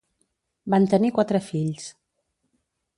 Van tenir quatre fills.